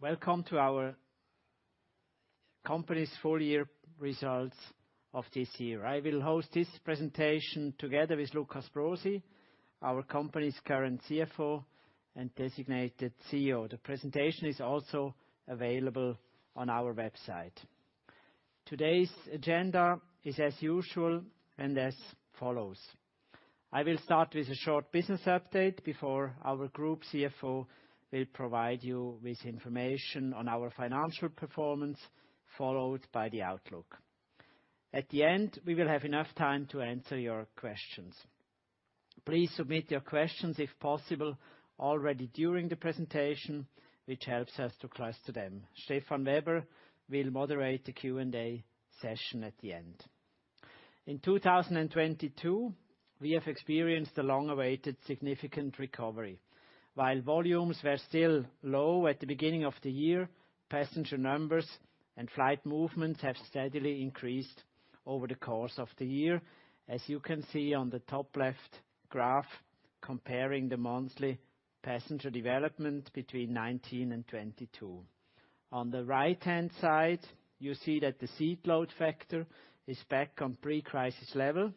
Welcome to our company's full year results of this year. I will host this presentation together with Lukas Brosi, our company's current CFO and designated CEO. The presentation is also available on our website. Today's agenda is as usual and as follows. I will start with a short business update before our group CFO will provide you with information on our financial performance, followed by the outlook. At the end, we will have enough time to answer your questions. Please submit your questions, if possible, already during the presentation, which helps us to cluster them. Stefan Weber will moderate the Q&A session at the end. In 2022, we have experienced a long-awaited significant recovery. While volumes were still low at the beginning of the year, passenger numbers and flight movements have steadily increased over the course of the year, as you can see on the top left graph comparing the monthly passenger development between 2019 and 2022. On the right-hand side, you see that the seat load factor is back on pre-crisis level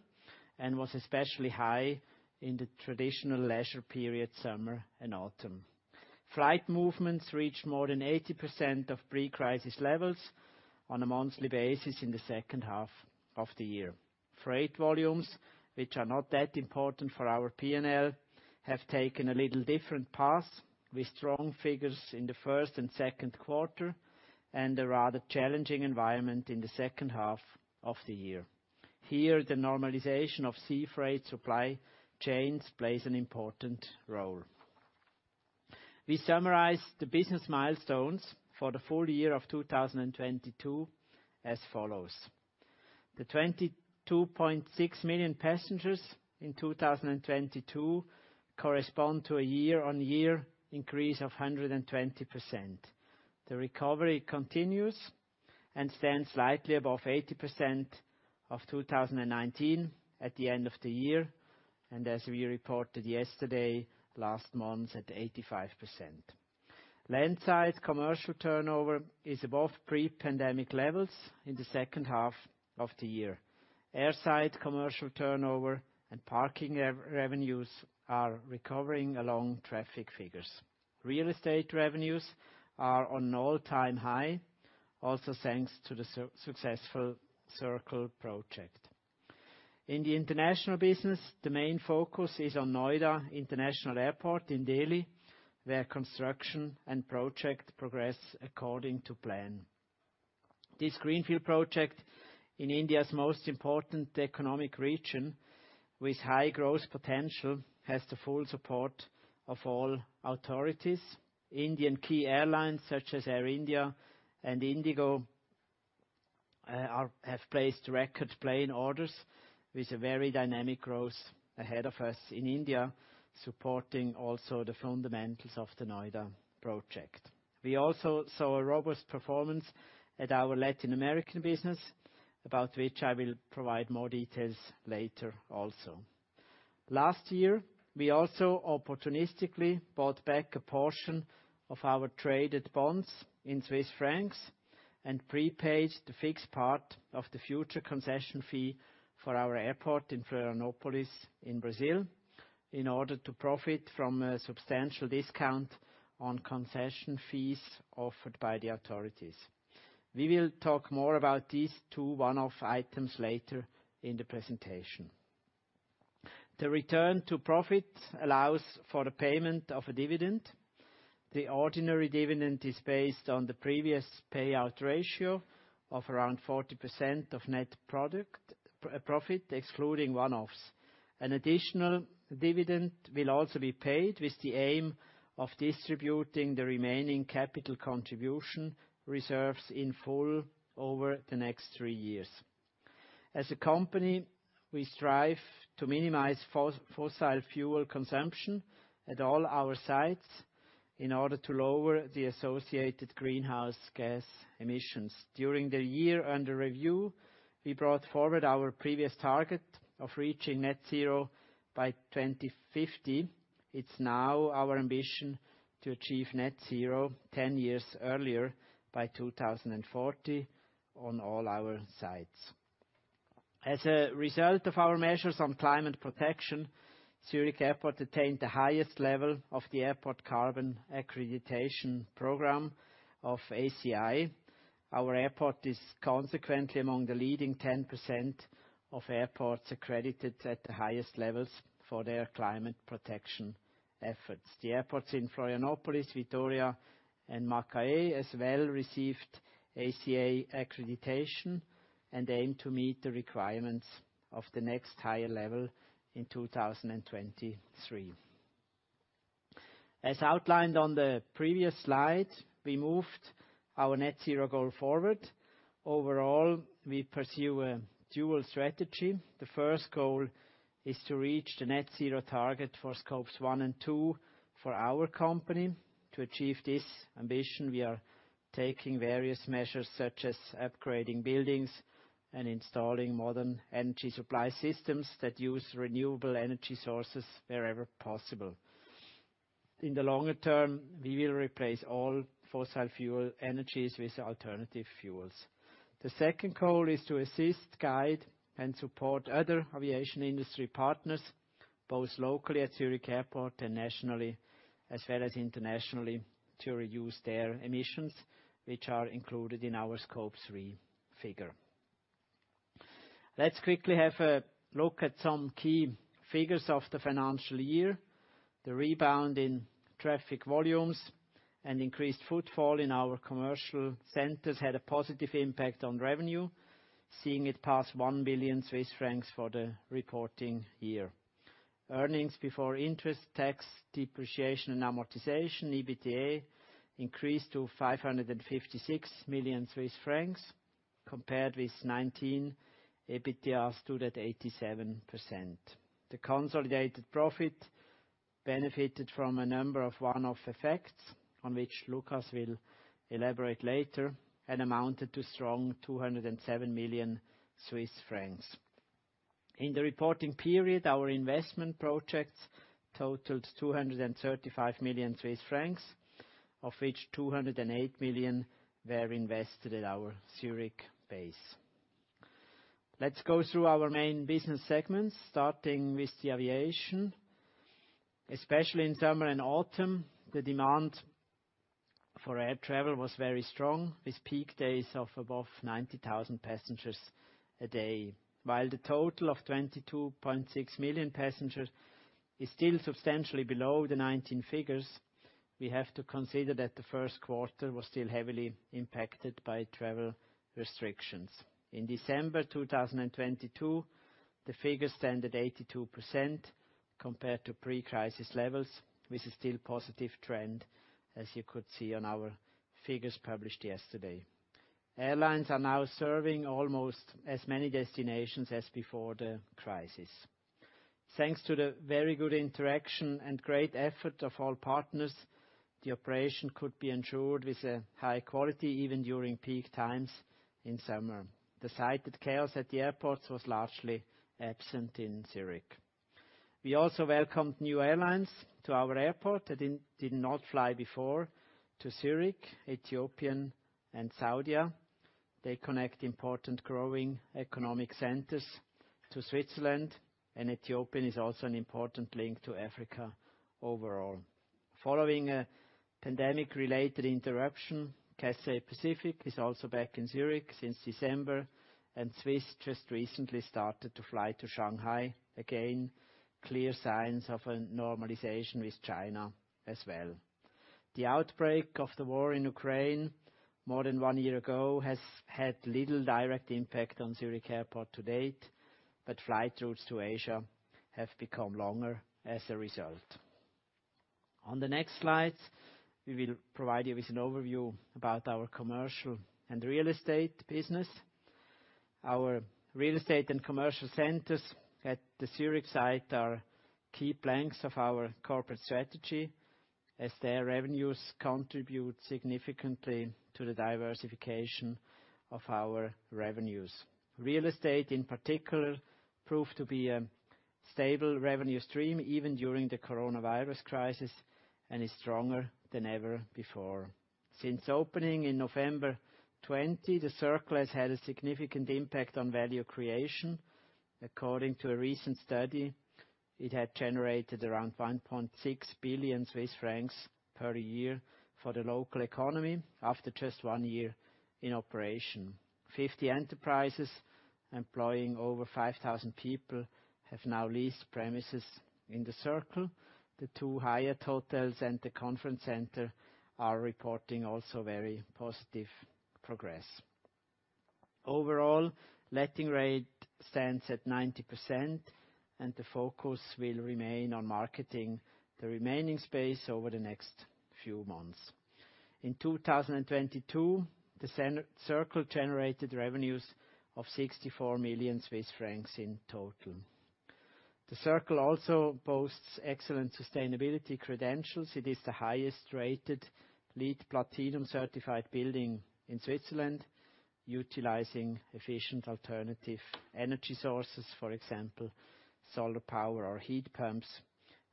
and was especially high in the traditional leisure period summer and autumn. Flight movements reached more than 80% of pre-crisis levels on a monthly basis in the second half of the year. Freight volumes, which are not that important for our PNL have taken a little different path with strong figures in the first and second quarter, and a rather challenging environment in the second half of the year. Here, the normalization of sea freight supply chains plays an important role. We summarize the business milestones for the full year of 2022 as follows. The 22.6 million passengers in 2022 correspond to a year-over-year increase of 120%. The recovery continues and stands slightly above 80% of 2019 at the end of the year, and as we reported yesterday, last month at 85%. Landside commercial turnover is above pre-pandemic levels in the second half of the year. Airside commercial turnover and parking revenues are recovering along traffic figures. Real estate revenues are on all-time high, also thanks to the successful Circle Project. In the international business, the main focus is on Noida International Airport in Delhi, where construction and project progress according to plan. This greenfield project in India's most important economic region with high growth potential, has the full support of all authorities. Indian key airlines such as Air India and IndiGo have placed record plane orders with a very dynamic growth ahead of us in India, supporting also the fundamentals of the Noida project. We also saw a robust performance at our Latin American business, about which I will provide more details later also. Last year, we also opportunistically bought back a portion of our traded bonds in Swiss francs and prepaid the fixed part of the future concession fee for our airport in Florianopolis in Brazil in order to profit from a substantial discount on concession fees offered by the authorities. We will talk more about these two one-off items later in the presentation. The return to profit allows for the payment of a dividend. The ordinary dividend is based on the previous payout ratio of around 40% of net product profit, excluding one-offs. An additional dividend will also be paid with the aim of distributing the remaining capital contribution reserves in full over the next three years. As a company, we strive to minimize fossil fuel consumption at all our sites in order to lower the associated greenhouse gas emissions. During the year under review, we brought forward our previous target of reaching net zero by 2050. It's now our ambition to achieve net zero 10 years earlier by 2040 on all our sites. As a result of our measures on climate protection, Zurich Airport attained the highest level of the Airport Carbon Accreditation program of ACI. Our airport is consequently among the leading 10% of airports accredited at the highest levels for their climate protection efforts. The airports in Florianopolis, Vitoria, and Macaé as well received ACA accreditation and aim to meet the requirements of the next higher level in 2023. As outlined on the previous slide, we moved our net zero goal forward. Overall, we pursue a dual strategy. The first goal is to reach the net zero target for Scope 1 and 2 for our company. To achieve this ambition, we are taking various measures such as upgrading buildings and installing modern energy supply systems that use renewable energy sources wherever possible. In the longer term, we will replace all fossil fuel energies with alternative fuels. The second goal is to assist, guide, and support other aviation industry partners, both locally at Zurich Airport and nationally, as well as internationally to reduce their emissions, which are included in our Scope 3 figure. Let's quickly have a look at some key figures of the financial year. The rebound in traffic volumes and increased footfall in our commercial centers had a positive impact on revenue, seeing it pass 1 billion Swiss francs for the reporting year. Earnings before interest, tax, depreciation, and amortization, EBITDA, increased to 556 million Swiss francs compared with 19 million. EBITDA stood at 87%. The consolidated profit benefited from a number of one-off effects, on which Lukas will elaborate later, and amounted to strong 207 million Swiss francs. In the reporting period, our investment projects totaled 235 million Swiss francs, of which 208 million were invested at our Zurich base. Let's go through our main business segments, starting with the aviation. Especially in summer and autumn, the demand for air travel was very strong, with peak days of above 90,000 passengers a day. While the total of 22.6 million passengers is still substantially below the 19 figures, we have to consider that the first quarter was still heavily impacted by travel restrictions. In December 2022, the figures stand at 82% compared to pre-crisis levels. This is still positive trend, as you could see on our figures published yesterday. Airlines are now serving almost as many destinations as before the crisis. Thanks to the very good interaction and great effort of all partners, the operation could be ensured with a high quality, even during peak times in summer. The cited chaos at the airports was largely absent in Zurich. We also welcomed new airlines to our airport that did not fly before to Zurich, Ethiopian and Saudia. They connect important growing economic centers to Switzerland. Ethiopian is also an important link to Africa overall. Following a pandemic-related interruption, Cathay Pacific is also back in Zurich since December. Swiss just recently started to fly to Shanghai. Again, clear signs of a normalization with China as well. The outbreak of the war in Ukraine more than one year ago has had little direct impact on Zurich Airport to date. Flight routes to Asia have become longer as a result. On the next slide, we will provide you with an overview about our commercial and real estate business. Our real estate and commercial centers at the Zurich site are key planks of our corporate strategy as their revenues contribute significantly to the diversification of our revenues. Real estate, in particular, proved to be a stable revenue stream even during the coronavirus crisis and is stronger than ever before. Since opening in November 20, The Circle has had a significant impact on value creation. According to a recent study, it had generated around 1.6 billion Swiss francs per year for the local economy after just one year in operation. 50 enterprises employing over 5,000 people have now leased premises in The Circle. The two Hyatt Hotels and the conference center are reporting also very positive progress. Overall, letting rate stands at 90% and the focus will remain on marketing the remaining space over the next few months. In 2022, The Circle generated revenues of 64 million Swiss francs in total. The Circle also boasts excellent sustainability credentials. It is the highest-rated LEED Platinum certified building in Switzerland, utilizing efficient alternative energy sources. For example, solar power or heat pumps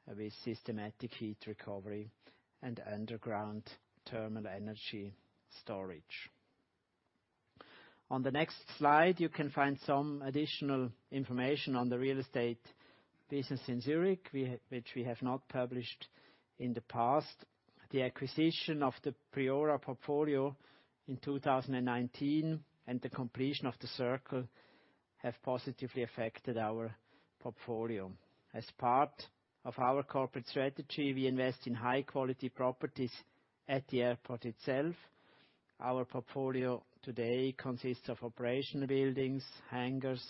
with systematic heat recovery and underground terminal energy storage. On the next slide, you can find some additional information on the real estate business in Zurich which we have not published in the past. The acquisition of the Priora portfolio in 2019 and the completion of The Circle have positively affected our portfolio. As part of our corporate strategy, we invest in high-quality properties at the airport itself. Our portfolio today consists of operational buildings, hangars,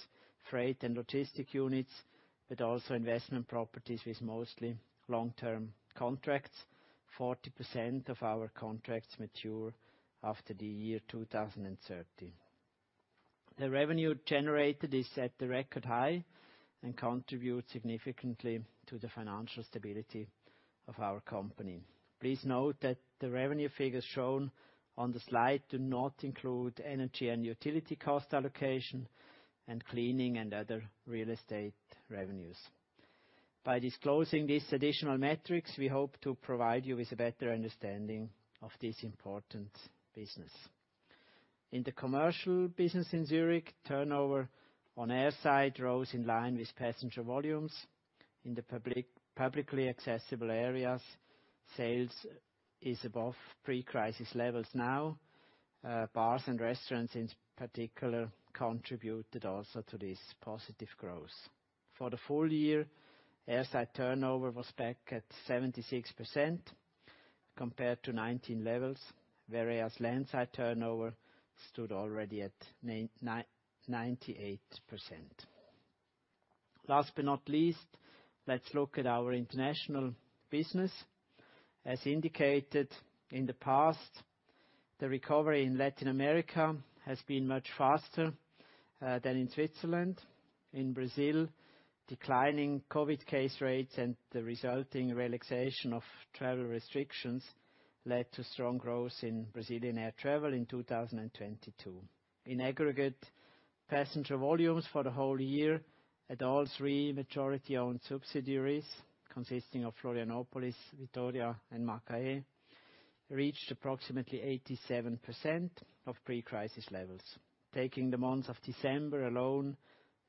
freight and logistic units, but also investment properties with mostly long-term contracts. 40% of our contracts mature after the year 2030. The revenue generated is at the record high and contributes significantly to the financial stability of our company. Please note that the revenue figures shown on the slide do not include energy and utility cost allocation and cleaning and other real estate revenues. By disclosing these additional metrics, we hope to provide you with a better understanding of this important business. In the commercial business in Zurich, turnover on airside rose in line with passenger volumes. In the public, publicly accessible areas, sales is above pre-crisis levels now. Bars and restaurants in particular contributed also to this positive growth. For the full year, airside turnover was back at 76% compared to 2019 levels, whereas landside turnover stood already at 98%. Last but not least, let's look at our international business. As indicated in the past, the recovery in Latin America has been much faster than in Switzerland. In Brazil, declining COVID case rates and the resulting relaxation of travel restrictions led to strong growth in Brazilian air travel in 2022. In aggregate passenger volumes for the whole year at all three majority-owned subsidiaries consisting of Florianopolis, Vitoria, and Macaé, reached approximately 87% of pre-crisis levels. Taking the month of December alone,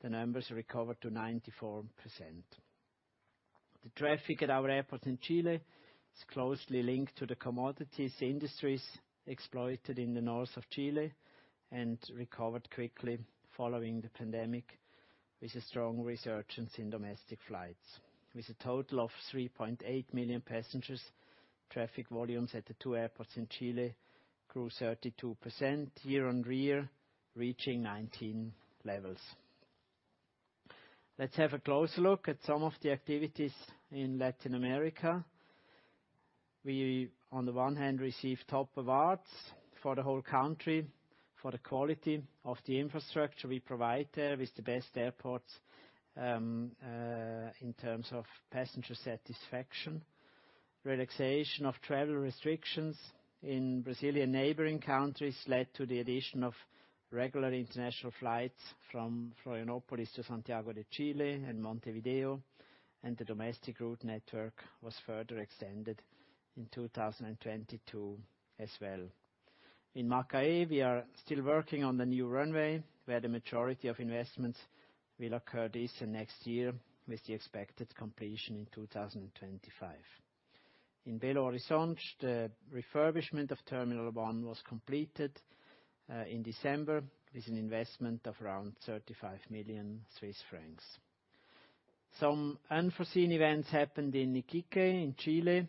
the numbers recovered to 94%. The traffic at our airport in Chile is closely linked to the commodities industries exploited in the north of Chile and recovered quickly following the pandemic, with a strong resurgence in domestic flights. With a total of 3.8 million passengers, traffic volumes at the two airports in Chile grew 32% year-on-year, reaching 2019 levels. Let's have a closer look at some of the activities in Latin America. We, on the one hand, received top awards for the whole country for the quality of the infrastructure we provide there with the best airports in terms of passenger satisfaction. Relaxation of travel restrictions in Brazilian neighboring countries led to the addition of regular international flights from Florianopolis to Santiago de Chile and Montevideo. The domestic route network was further extended in 2022 as well. In Macaé, we are still working on the new runway, where the majority of investments will occur this and next year, with the expected completion in 2025. In Belo Horizonte, the refurbishment of terminal 1 was completed in December with an investment of around 35 million Swiss francs. Some unforeseen events happened in Iquique in Chile,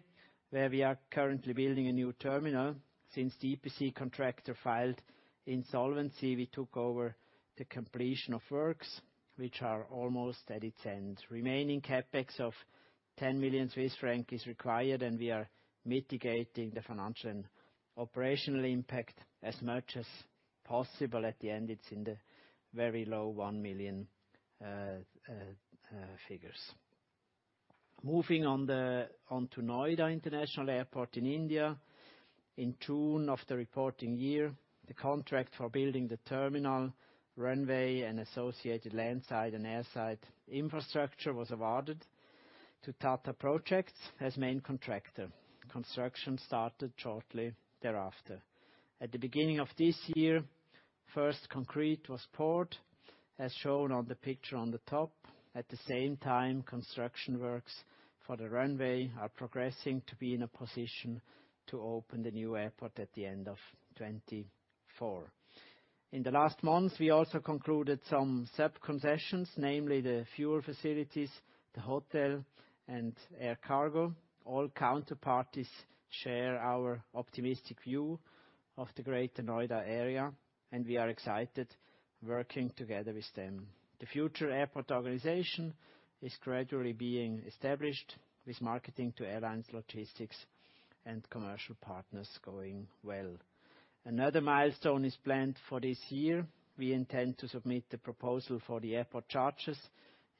where we are currently building a new terminal. Since the EPC contractor filed insolvency, we took over the completion of works, which are almost at its end. Remaining CapEx of 10 million Swiss francs is required, and we are mitigating the financial and operational impact as much as possible. At the end, it's in the very low 1 million figures. Moving on to Noida International Airport in India, in June of the reporting year, the contract for building the terminal runway and associated landside and airside infrastructure was awarded to Tata Projects as main contractor. Construction started shortly thereafter. At the beginning of this year, first concrete was poured, as shown on the picture on the top. At the same time, construction works for the runway are progressing to be in a position to open the new airport at the end of 2024. In the last months, we also concluded some sub-concessions, namely the fuel facilities, the hotel, and air cargo. All counterparties share our optimistic view of the greater Noida area, and we are excited working together with them. The future airport organization is gradually being established with marketing to airlines, logistics, and commercial partners going well. Another milestone is planned for this year. We intend to submit the proposal for the airport charges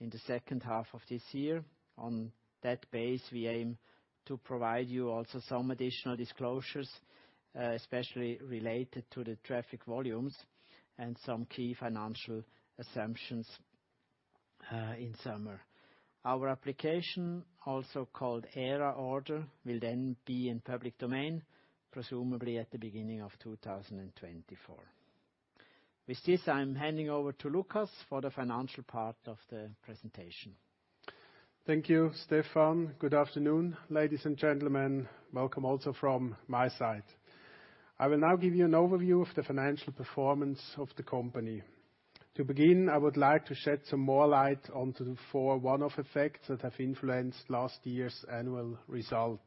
in the second half of this year. On that base, we aim to provide you also some additional disclosures, especially related to the traffic volumes and some key financial assumptions, in summer. Our application, also called AERA order, will then be in public domain, presumably at the beginning of 2024. With this, I'm handing over to Lukas for the financial part of the presentation. Thank you, Stephan. Good afternoon, ladies and gentlemen. Welcome also from my side. I will now give you an overview of the financial performance of the company. To begin, I would like to shed some more light onto the four one-off effects that have influenced last year's annual result.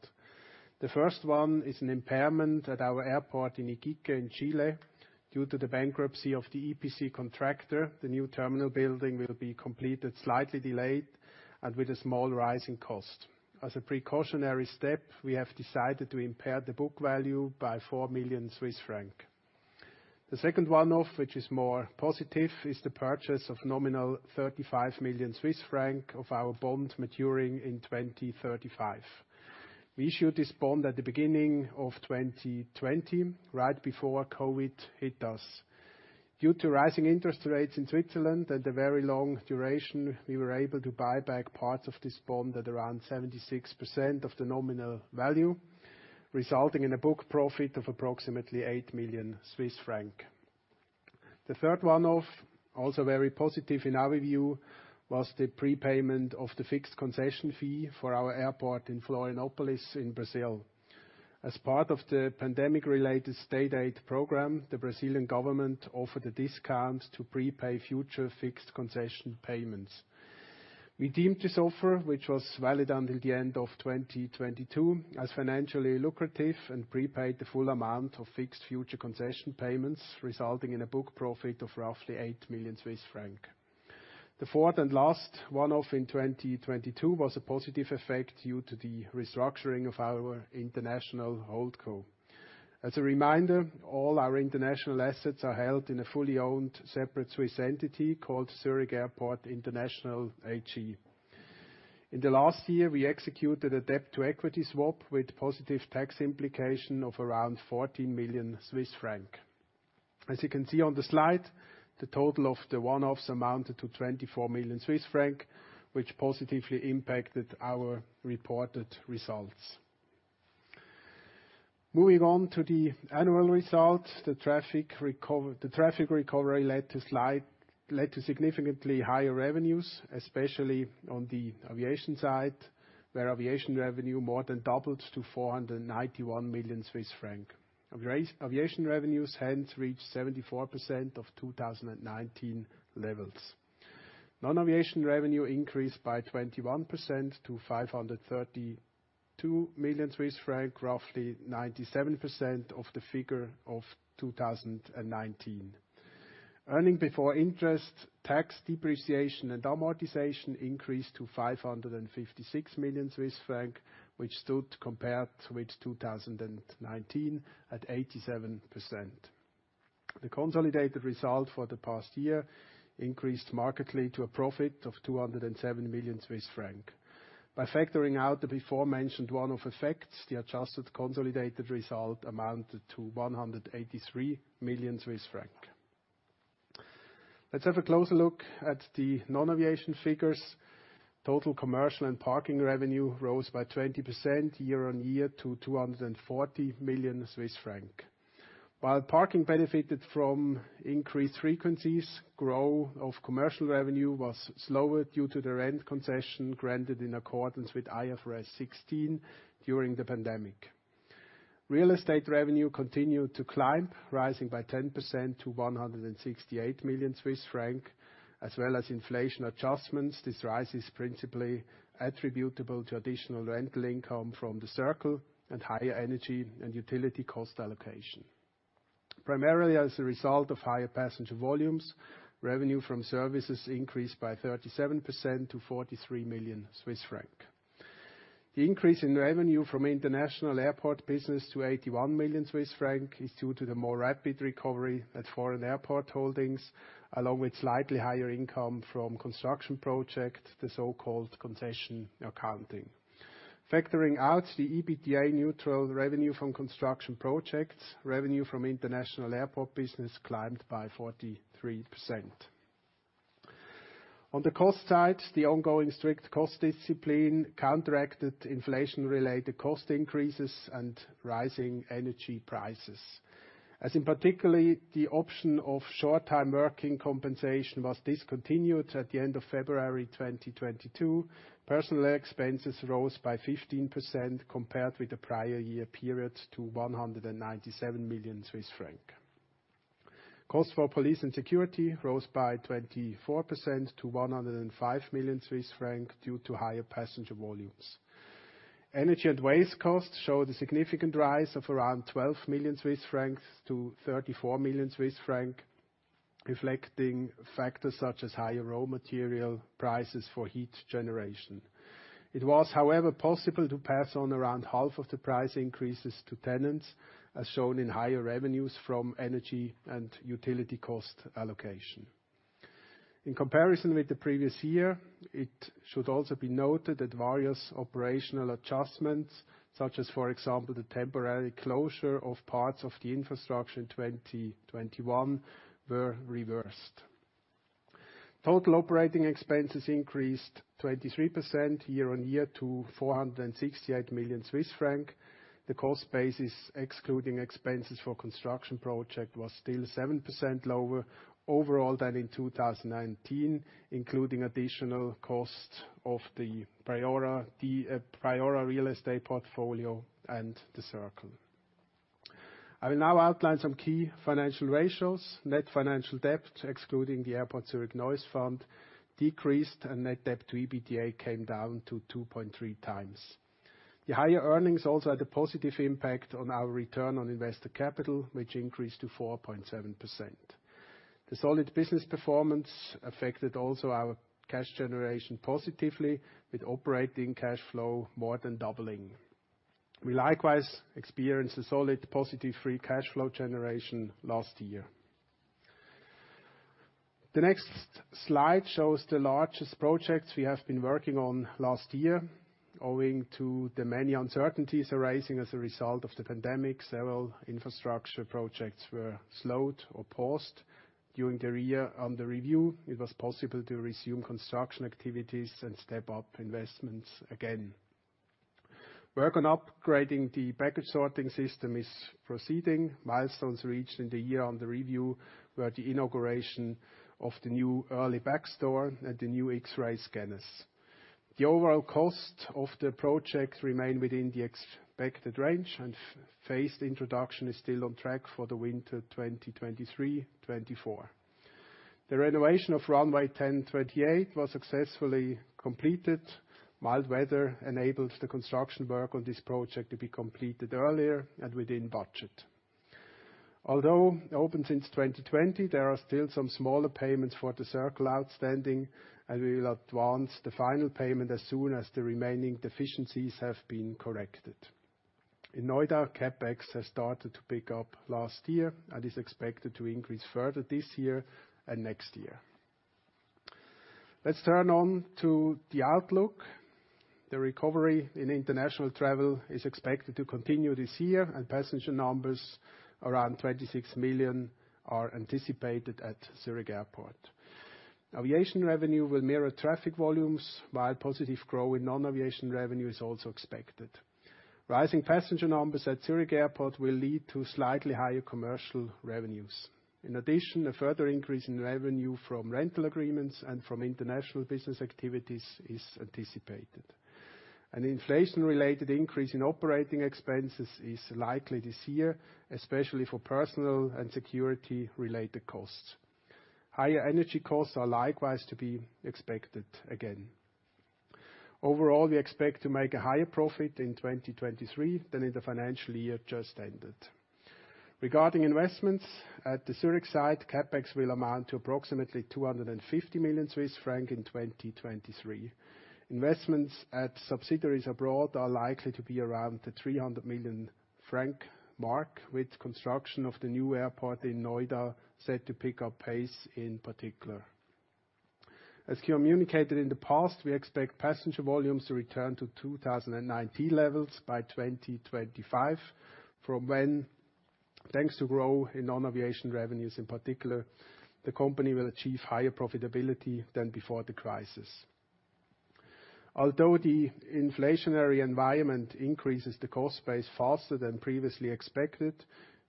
The first one is an impairment at our airport in Iquique in Chile due to the bankruptcy of the EPC contractor. The new terminal building will be completed slightly delayed and with a small rise in cost. As a precautionary step, we have decided to impair the book value by 4 million Swiss francs. The second one-off, which is more positive, is the purchase of nominal 35 million Swiss franc of our bonds maturing in 2035. We issued this bond at the beginning of 2020, right before COVID hit us. Due to rising interest rates in Switzerland and the very long duration, we were able to buy back parts of this bond at around 76% of the nominal value, resulting in a book profit of approximately 8 million Swiss francs. The third one-off, also very positive in our view, was the prepayment of the fixed concession fee for our airport in Florianopolis in Brazil. As part of the pandemic related state aid program, the Brazilian government offered the discounts to prepay future fixed concession payments. We deemed this offer, which was valid until the end of 2022, as financially lucrative and prepaid the full amount of fixed future concession payments, resulting in a book profit of roughly 8 million Swiss francs. The fourth and last one-off in 2022 was a positive effect due to the restructuring of our international holdco. As a reminder, all our international assets are held in a fully owned separate Swiss entity called Zurich Airport International AG. In the last year, we executed a debt-to-equity swap with positive tax implication of around 14 million Swiss francs. As you can see on the slide, the total of the one-offs amounted to 24 million Swiss francs, which positively impacted our reported results. Moving on to the annual results, the traffic recovery led to significantly higher revenues, especially on the aviation side, where aviation revenue more than doubled to 491 million Swiss franc. Aviation revenues hence reached 74% of 2019 levels. Non-aviation revenue increased by 21% to 532 million Swiss francs, roughly 97% of the figure of 2019. EBITDA increased to 556 million Swiss franc, which stood compared with 2019 at 87%. The consolidated result for the past year increased markedly to a profit of 207 million Swiss francs. By factoring out the before mentioned one-off effects, the adjusted consolidated result amounted to 183 million Swiss francs. Let's have a closer look at the non-aviation figures. Total commercial and parking revenue rose by 20% year-on-year to 240 million Swiss francs. While parking benefited from increased frequencies, growth of commercial revenue was slower due to the rent concession granted in accordance with IFRS 16 during the pandemic. Real estate revenue continued to climb, rising by 10% to 168 million Swiss franc, as well as inflation adjustments. This rise is principally attributable to additional rental income from The Circle and higher energy and utility cost allocation. Primarily, as a result of higher passenger volumes, revenue from services increased by 37% to 43 million Swiss francs. The increase in revenue from international airport business to 81 million Swiss francs is due to the more rapid recovery at foreign airport holdings, along with slightly higher income from construction project, the so-called concession accounting. Factoring out the EBITDA neutral revenue from construction projects, revenue from international airport business climbed by 43%. On the cost side, the ongoing strict cost discipline counteracted inflation-related cost increases and rising energy prices. As in particularly, the option of short time working compensation was discontinued at the end of February 2022. Personnel expenses rose by 15% compared with the prior year period to 197 million Swiss francs. Costs for police and security rose by 24% to 105 million Swiss francs due to higher passenger volumes. Energy and waste costs showed a significant rise of around 12 million Swiss francs to 34 million Swiss francs, reflecting factors such as higher raw material prices for heat generation. It was, however, possible to pass on around half of the price increases to tenants, as shown in higher revenues from energy and utility cost allocation. In comparison with the previous year, it should also be noted that various operational adjustments, such as for example, the temporary closure of parts of the infrastructure in 2021, were reversed. Total operating expenses increased 23% year-on-year to 468 million Swiss franc. The cost base is excluding expenses for construction project, was still 7% lower overall than in 2019, including additional costs of the Priora real estate portfolio and The Circle. I will now outline some key financial ratios. Net financial debt, excluding the Airport Zurich Noise Fund, decreased, and net debt to EBITDA came down to 2.3 times. The higher earnings also had a positive impact on our return on investor capital, which increased to 4.7%. The solid business performance affected also our cash generation positively, with operating cash flow more than doubling. We likewise experienced a solid positive free cash flow generation last year. The next slide shows the largest projects we have been working on last year. Owing to the many uncertainties arising as a result of the pandemic, several infrastructure projects were slowed or paused during the year under review. It was possible to resume construction activities and step up investments again. Work on upgrading the package sorting system is proceeding. Milestones reached in the year on the review were the inauguration of the new early bag store and the new X-ray scanners. The overall cost of the project remained within the expected range, phased introduction is still on track for the winter 2023, 2024. The renovation of Runway 10/28 was successfully completed. Mild weather enabled the construction work on this project to be completed earlier and within budget. Although open since 2020, there are still some smaller payments for The Circle outstanding, we will advance the final payment as soon as the remaining deficiencies have been corrected. In Noida, CapEx has started to pick up last year and is expected to increase further this year and next year. Let's turn on to the outlook. The recovery in international travel is expected to continue this year, and passenger numbers around 26 million are anticipated at Zurich Airport. Aviation revenue will mirror traffic volumes while positive growth in non-aviation revenue is also expected. Rising passenger numbers at Zurich Airport will lead to slightly higher commercial revenues. In addition, a further increase in revenue from rental agreements and from international business activities is anticipated. An inflation-related increase in operating expenses is likely this year, especially for personnel and security related costs. Higher energy costs are likewise to be expected again. Overall, we expect to make a higher profit in 2023 than in the financial year just ended. Regarding investments at the Zurich site, CapEx will amount to approximately 250 million Swiss francs in 2023. Investments at subsidiaries abroad are likely to be around the 300 million franc mark, with construction of the new airport in Noida set to pick up pace in particular. As communicated in the past, we expect passenger volumes to return to 2019 levels by 2025, from when, thanks to growth in non-aviation revenues, in particular, the company will achieve higher profitability than before the crisis. Although the inflationary environment increases the cost base faster than previously expected,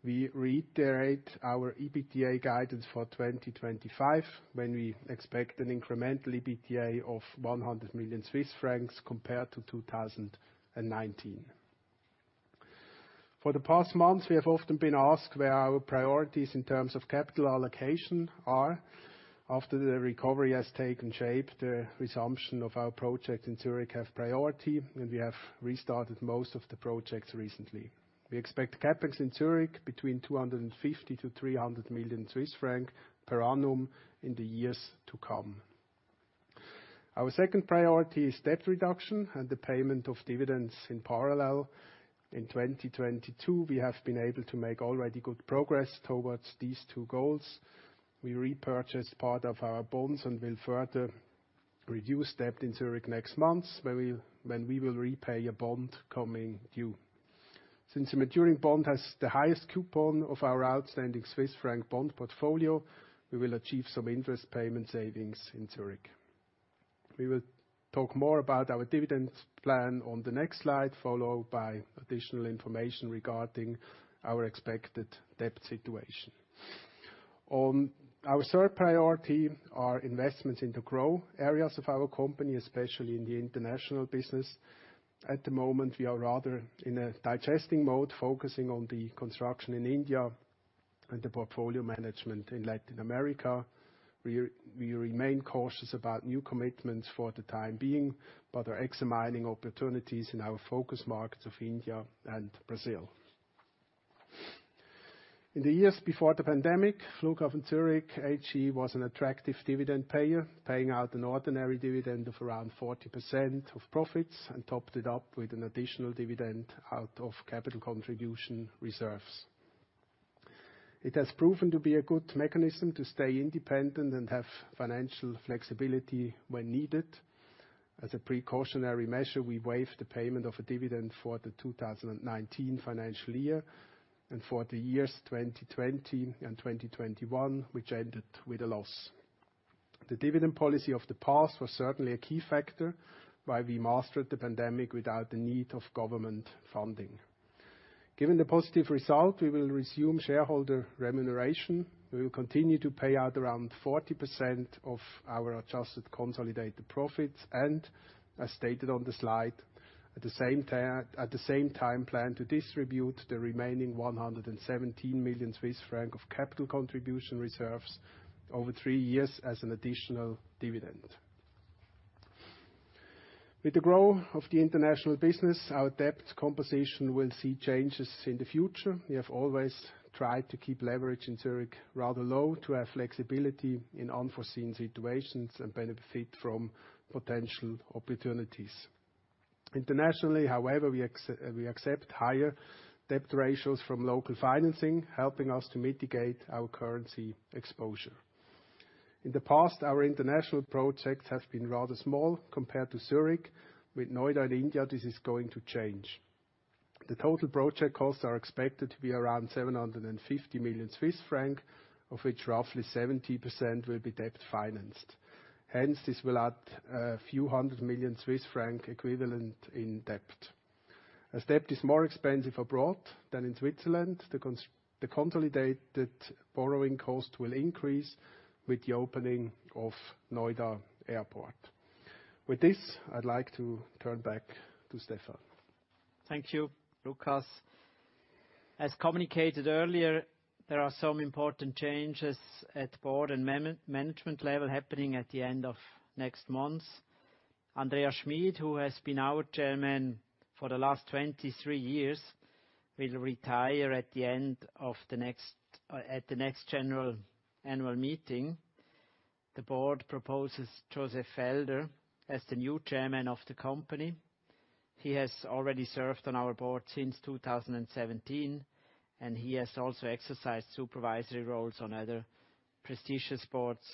we reiterate our EBITDA guidance for 2025, when we expect an incremental EBITDA of 100 million Swiss francs compared to 2019. For the past months, we have often been asked where our priorities in terms of capital allocation are. After the recovery has taken shape, the resumption of our project in Zurich have priority. We have restarted most of the projects recently. We expect CapEx in Zurich between 250 million-300 million Swiss francs per annum in the years to come. Our second priority is debt reduction and the payment of dividends in parallel. In 2022, we have been able to make already good progress towards these two goals. We repurchased part of our bonds and will further reduce debt in Zurich next month when we will repay a bond coming due. Since the maturing bond has the highest coupon of our outstanding CHF bond portfolio, we will achieve some interest payment savings in Zurich. We will talk more about our dividend plan on the next slide, followed by additional information regarding our expected debt situation. Our third priority are investments in the growth areas of our company, especially in the international business. At the moment, we are rather in a digesting mode, focusing on the construction in India and the portfolio management in Latin America. We remain cautious about new commitments for the time being, are examining opportunities in our focus markets of India and Brazil. In the years before the pandemic, Flughafen Zürich AG was an attractive dividend payer, paying out an ordinary dividend of around 40% of profits and topped it up with an additional dividend out of capital contribution reserves. It has proven to be a good mechanism to stay independent and have financial flexibility when needed. As a precautionary measure, we waived the payment of a dividend for the 2019 financial year and for the years 2020 and 2021, which ended with a loss. The dividend policy of the past was certainly a key factor why we mastered the pandemic without the need of government funding. Given the positive result, we will resume shareholder remuneration. We will continue to pay out around 40% of our adjusted consolidated profits and, as stated on the slide, at the same time plan to distribute the remaining 117 million Swiss franc of capital contribution reserves over three years as an additional dividend. With the growth of the international business, our debt composition will see changes in the future. We have always tried to keep leverage in Zurich rather low to have flexibility in unforeseen situations and benefit from potential opportunities. Internationally, however, we accept higher debt ratios from local financing, helping us to mitigate our currency exposure. In the past, our international projects have been rather small compared to Zurich. With Noida in India, this is going to change. The total project costs are expected to be around 750 million Swiss francs, of which roughly 70% will be debt-financed. Hence, this will add a few hundred million CHF equivalent in debt. As debt is more expensive abroad than in Switzerland, the consolidated borrowing cost will increase with the opening of Noida Airport. With this, I'd like to turn back to Stephan. Thank you, Lukas. As communicated earlier, there are some important changes at board and management level happening at the end of next month. Andreas Schmid, who has been our chairman for the last 23 years, will retire at the end of the next general annual meeting. The board proposes Josef Felder as the new chairman of the company. He has already served on our board since 2017. He has also exercised supervisory roles on other prestigious boards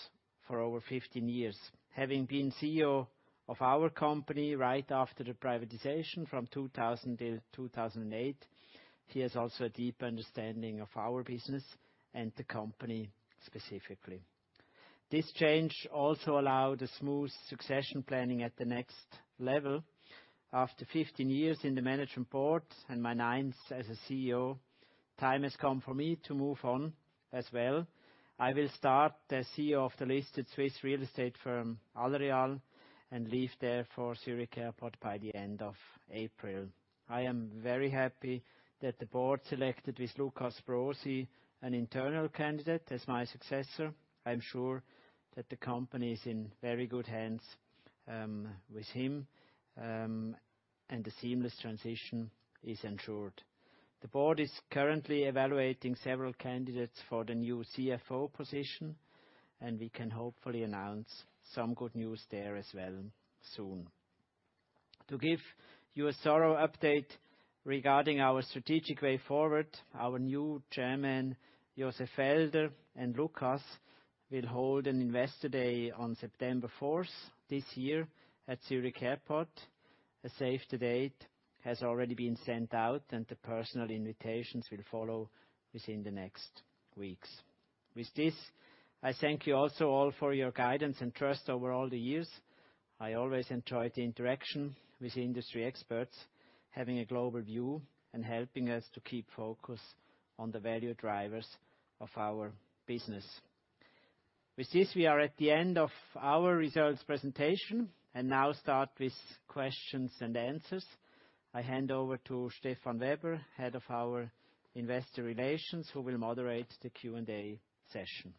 for over 15 years. Having been CEO of our company right after the privatization from 20002008, he has also a deep understanding of our business and the company specifically. This change also allowed a smooth succession planning at the next level. After 15 years in the management board and my 9th as a CEO, time has come for me to move on as well. I will start as CEO of the listed Swiss real estate firm, Allreal, and leave therefore Zurich Airport by the end of April. I am very happy that the board selected, with Lukas Brosi, an internal candidate as my successor. I'm sure that the company is in very good hands with him and the seamless transition is ensured. The board is currently evaluating several candidates for the new CFO position, and we can hopefully announce some good news there as well soon. To give you a thorough update regarding our strategic way forward, our new Chairman, Josef Felder, and Lukas will hold an an investor day on September 4th this year at Zurich Airport. A save the date has already been sent out, and the personal invitations will follow within the next weeks. With this, I thank you also all for your guidance and trust over all the years. I always enjoyed the interaction with industry experts, having a global view and helping us to keep focus on the value drivers of our business. With this, we are at the end of our results presentation and now start with questions and answers. I hand over to Stephan Weber, Head of our Investor Relations, who will moderate the Q&A session.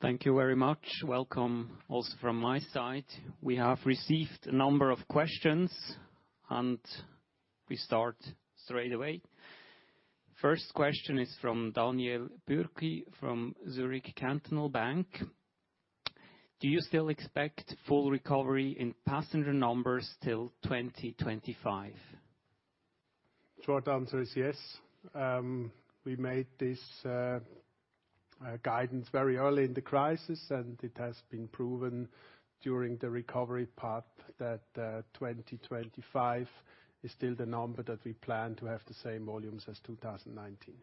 Thank you very much. Welcome also from my side. We have received a number of questions, and we start straight away. First question is from Daniel Bürki from Zürcher Kantonalbank. Do you still expect full recovery in passenger numbers till 2025? Short answer is yes. We made this guidance very early in the crisis, and it has been proven during the recovery path that 2025 is still the number that we plan to have the same volumes as 2019.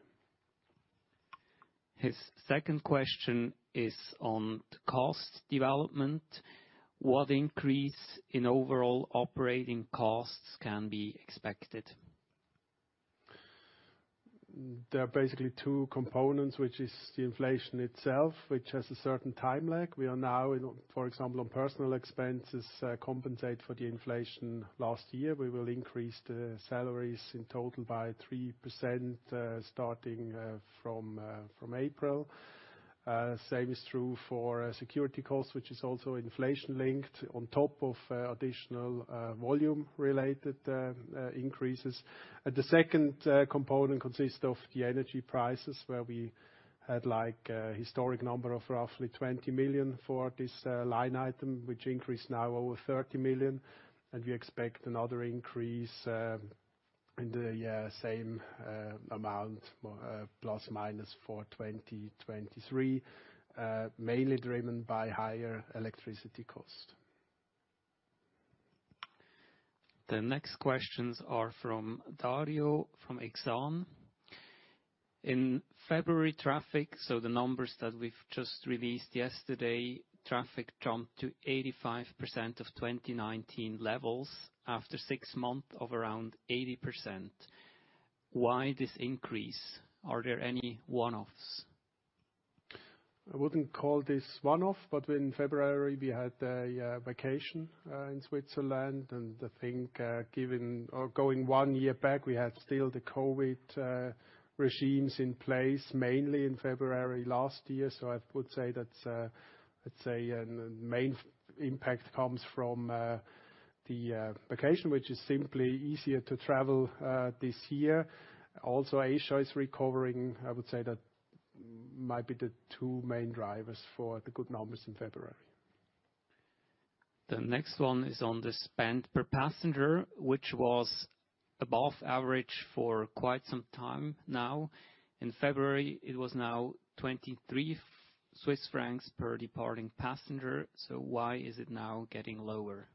His second question is on the cost development. What increase in overall operating costs can be expected? There are basically two components, which is the inflation itself, which has a certain time lag. We are now in, for example, on personal expenses, compensate for the inflation last year. We will increase the salaries in total by 3%, starting from April. Same is true for security costs, which is also inflation-linked on top of additional volume-related increases. The second component consists of the energy prices, where we had, like, a historic number of roughly 20 million for this line item, which increased now over 30 million, and we expect another increase in the same amount, plus or minus for 2023, mainly driven by higher electricity cost. The next questions are from Dario, from Exane. In February traffic, so the numbers that we've just released yesterday, traffic jumped to 85% of 2019 levels after six months of around 80%. Why this increase? Are there any one-offs? I wouldn't call this one-off. In February, we had a vacation in Switzerland, and I think given or going one year back, we had still the COVID regimes in place, mainly in February last year. I would say that, let's say, a main impact comes from the vacation, which is simply easier to travel this year. Also, Asia is recovering. Might be the two main drivers for the good numbers in February. The next one is on the spend per passenger, which was above average for quite some time now. In February, it was now 23 Swiss francs per departing passenger. Why is it now getting lower?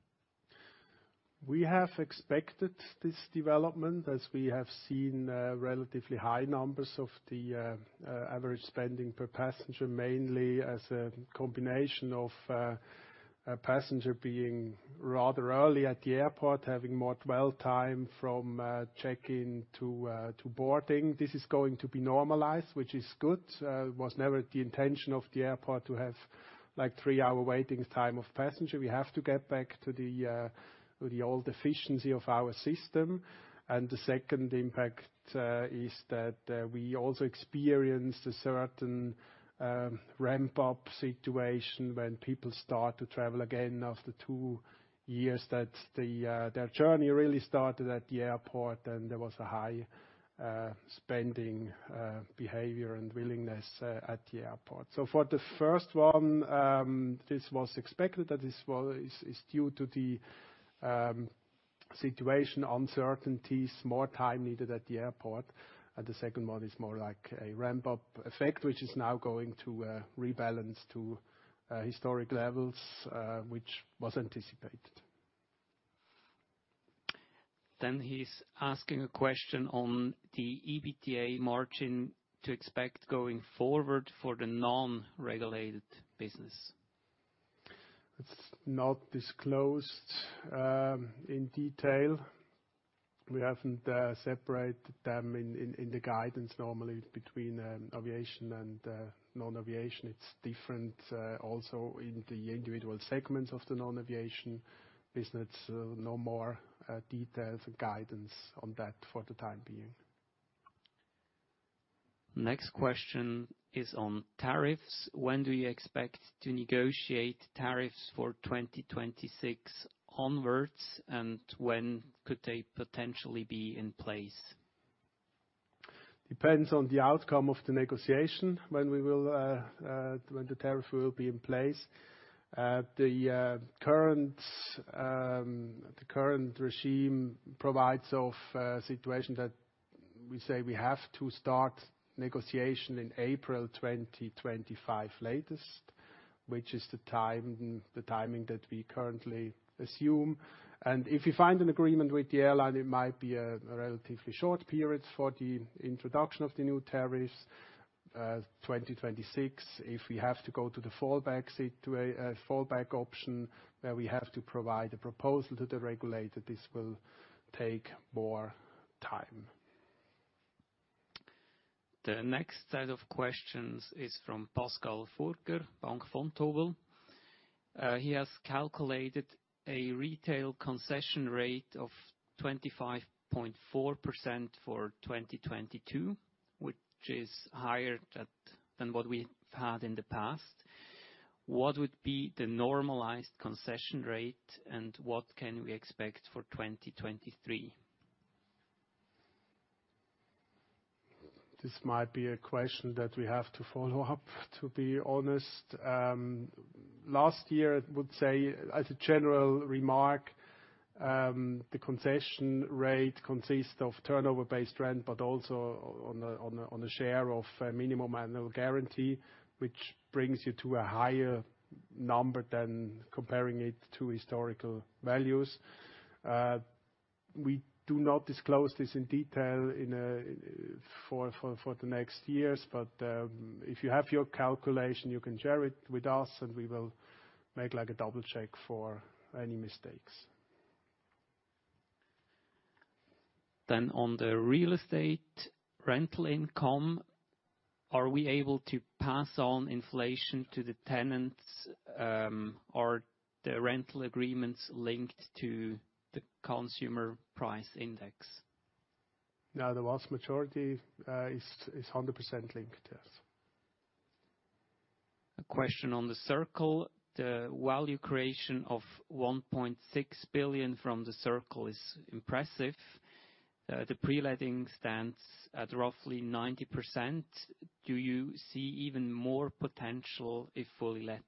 We have expected this development as we have seen relatively high numbers of the average spending per passenger, mainly as a combination of a passenger being rather early at the airport, having more dwell time from check-in to boarding. This is going to be normalized, which is good. It was never the intention of the airport to have like 3-hour waiting time of passenger. We have to get back to the old efficiency of our system. The second impact is that we also experienced a certain ramp-up situation when people start to travel again two years, that their journey really started at the airport and there was a high spending behavior and willingness at the airport. For the first one, this is due to the situation uncertainties, more time needed at the airport. The second one is more like a ramp-up effect, which is now going to rebalance to historic levels, which was anticipated. He's asking a question on the EBITDA margin to expect going forward for the non-regulated business. It's not disclosed in detail. We haven't separated them in the guidance normally between aviation and non-aviation. It's different also in the individual segments of the non-aviation business. No more details or guidance on that for the time being. Next question is on tariffs. When do you expect to negotiate tariffs for 2026 onwards? When could they potentially be in place? Depends on the outcome of the negotiation when we will, when the tariff will be in place. The current regime provides of a situation that we say we have to start negotiation in April 2025 latest, which is the time, the timing that we currently assume. If you find an agreement with the airline, it might be a relatively short period for the introduction of the new tariffs, 2026. If we have to go to the fallback option where we have to provide a proposal to the regulator, this will take more time. The next set of questions is from Pascal Furger, Bank Vontobel. He has calculated a retail concession rate of 25.4% for 2022, which is higher than what we've had in the past. What would be the normalized concession rate, and what can we expect for 2023? This might be a question that we have to follow up, to be honest. last year, I would say as a general remark, the concession rate consists of turnover-based rent, but also on a share of a minimum annual guarantee, which brings you to a higher number than comparing it to historical values. we do not disclose this in detail for the next years, but, if you have your calculation, you can share it with us, and we will make like a double-check for any mistakes. On the real estate rental income, are we able to pass on inflation to the tenants, or the rental agreements linked to the consumer price index? No, the vast majority, is 100% linked, yes. A question on The Circle. The value creation of 1.6 billion from The Circle is impressive. The pre-letting stands at roughly 90%. Do you see even more potential if fully let?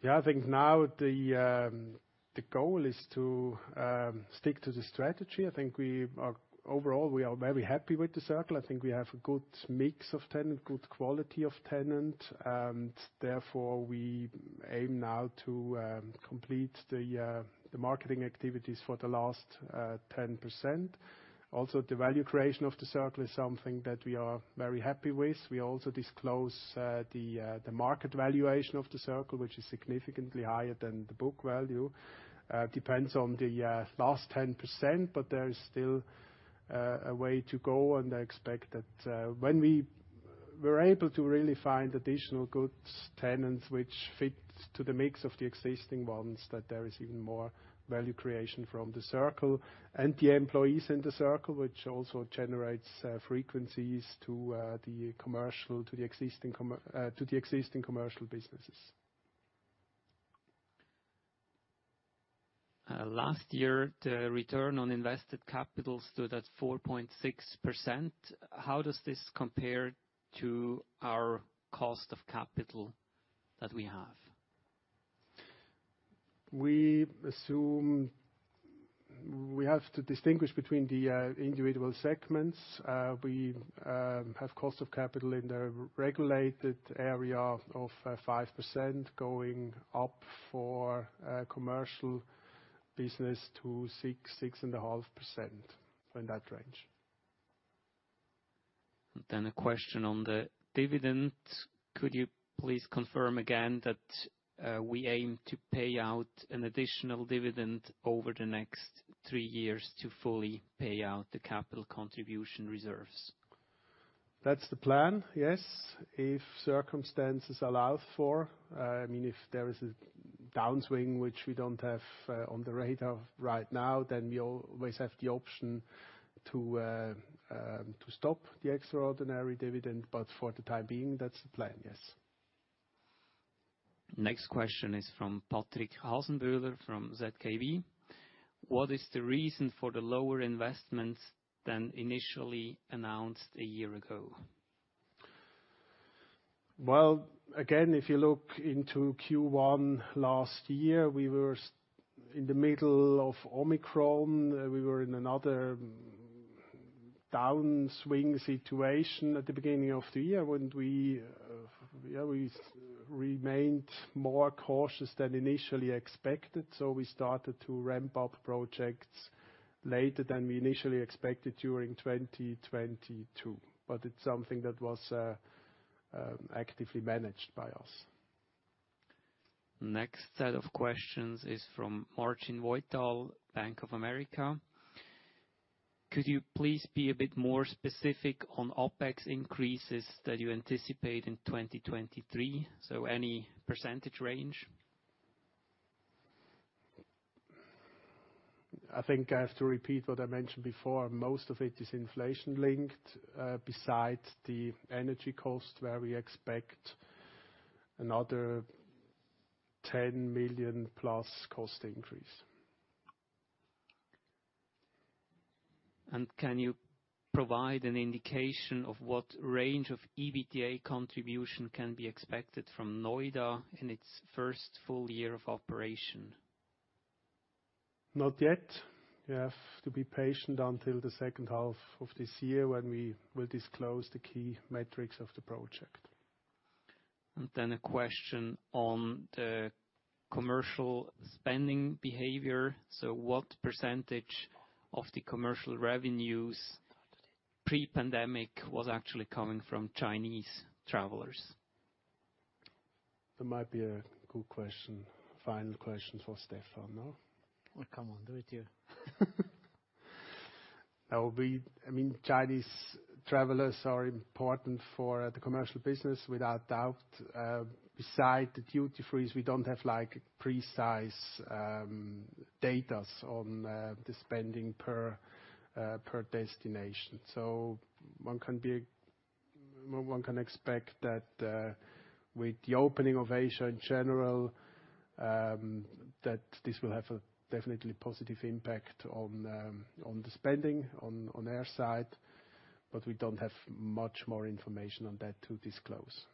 Yeah, I think now the goal is to stick to the strategy. I think overall, we are very happy with The Circle. I think we have a good mix of tenant, good quality of tenant, and therefore, we aim now to complete the marketing activities for the last 10%. Also, the value creation of The Circle is something that we are very happy with. We also disclose the market valuation of The Circle, which is significantly higher than the book value. It depends on the last 10%, but there is still a way to go and I expect that when we were able to really find additional good tenants which fit to the mix of the existing ones, that there is even more value creation from The Circle and the employees in The Circle, which also generates frequencies to the commercial, to the existing commercial businesses. Last year, the return on invested capital stood at 4.6%. How does this compare to our cost of capital that we have? We assume we have to distinguish between the individual segments. We have cost of capital in the regulated area of 5% going up for commercial business to six, 6.5%, in that range. A question on the dividend. Could you please confirm again that we aim to pay out an additional dividend over the next three years to fully pay out the capital contribution reserves? That's the plan, yes. If circumstances allow for, I mean, if there is a downswing, which we don't have, on the radar right now, then we always have the option to stop the extraordinary dividend, but for the time being, that's the plan, yes. Next question is from Patrick Hasenböhler from ZKV. What is the reason for the lower investments than initially announced a year ago? Again, if you look into Q1 last year, we were in the middle of Omicron. We were in another downswing situation at the beginning of the year, when we, yeah, we remained more cautious than initially expected. We started to ramp up projects later than we initially expected during 2022. It's something that was actively managed by us. Next set of questions is from Marcin Wojtal, Bank of America. Could you please be a bit more specific on OpEx increases that you anticipate in 2023? Any percentage range? I think I have to repeat what I mentioned before. Most of it is inflation-linked, besides the energy cost, where we expect another 10 million+ cost increase. Can you provide an indication of what range of EBITDA contribution can be expected from Noida in its first full year of operation? Not yet. You have to be patient until the second half of this year when we will disclose the key metrics of the project. A question on the commercial spending behavior. What percentage of the commercial revenues pre-pandemic was actually coming from Chinese travelers? That might be a good question, final question for Stephan, no? Oh, come on. Do it here. I mean, Chinese travelers are important for the commercial business, without doubt. Beside the duty-frees, we don't have, like, precise data on the spending per destination. One can expect that with the opening of Asia in general, that this will have a definitely positive impact on the spending on air side, we don't have much more information on that to disclose.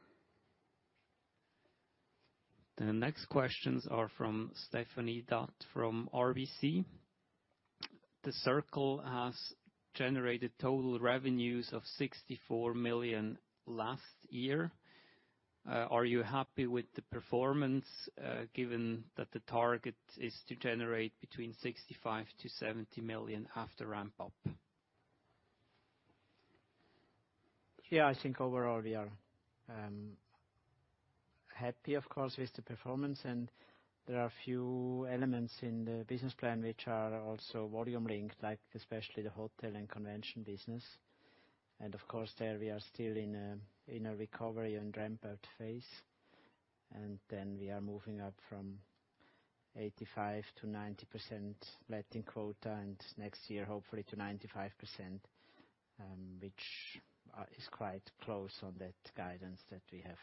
The next questions are from Stefanie Dürr from RBC. The Circle has generated total revenues of 64 million last year. Are you happy with the performance, given that the target is to generate between 65 million-70 million after ramp-up? Yeah, I think overall we are happy, of course, with the performance. There are a few elements in the business plan which are also volume-linked, like especially the hotel and convention business. Of course, there we are still in a recovery and ramp-up phase. Then we are moving up from 85%-90% letting quota, and next year, hopefully to 95%, which is quite close on that guidance that we have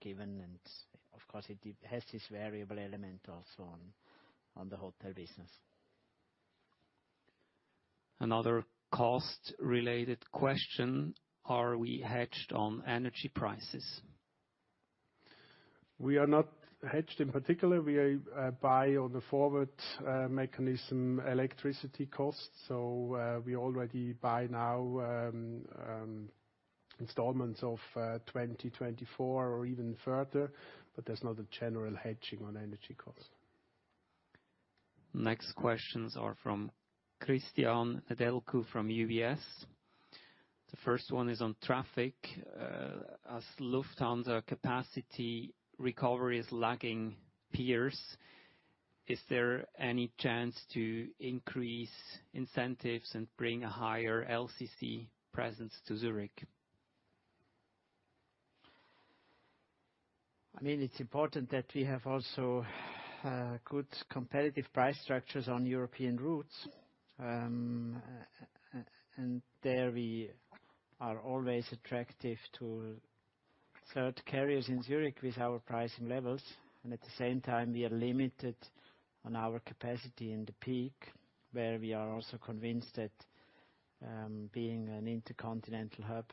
given. Of course, it has its variable element also on the hotel business. Another cost-related question, are we hedged on energy prices? We are not hedged in particular. We buy on the forward mechanism electricity costs. We already buy now installments of 2024 or even further. There's not a general hedging on energy costs. Next questions are from Cristian Nedelcu from UBS. The first one is on traffic. As Lufthansa capacity recovery is lagging peers, is there any chance to increase incentives and bring a higher LCC presence to Zurich? I mean, it's important that we have also good competitive price structures on European routes. And there we are always attractive to the carriers in Zurich with our pricing levels, and at the same time, we are limited on our capacity in the peak, where we are also convinced that being an intercontinental hub,